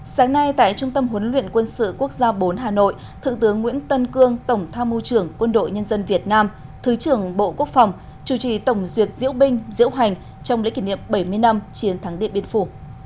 sáng nay tại trung tâm huấn luyện quân sự quốc gia bốn hà nội thượng tướng nguyễn tân cương tổng tham mưu trưởng quân đội nhân dân việt nam thứ trưởng bộ quốc phòng chủ trì tổng duyệt diễu binh diễu hành trong lễ kỷ niệm bảy mươi năm chiến thắng điện biên phủ